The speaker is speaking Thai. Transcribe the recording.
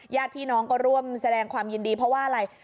ญาติพี่น้องก็ร่วมแสดงความยินดีเพราะว่าอะไร